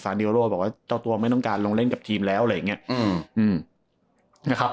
ซานิวรูแหลวแบบว่าเจ้าตัวไม่ต้องการลงเล่นกับแล้วอะไรอย่างเงี้ยอืม